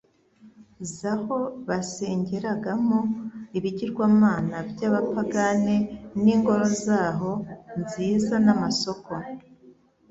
zaho basengeragamo ibiginvamana by'abapagane n'ingoro zaho nziza n'amasoko